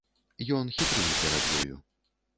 Ён хітрыў перад ёю.